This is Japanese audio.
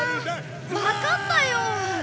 わかったよ。